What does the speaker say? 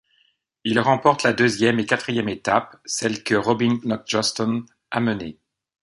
Ils remportent la deuxième et quatrième étape, celles que Robin Knox-Johnston a menées.